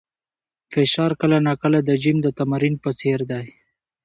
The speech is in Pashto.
فشار کله ناکله د جیم د تمرین په څېر دی.